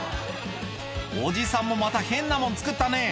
おじさんもまた変なもん作ったね。